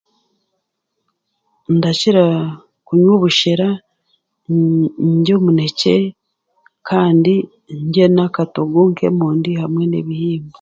Ndakira kunywa obushera kandi ndye omunekye kandi ndye akatogo k'emondi hamwe n'ebihimba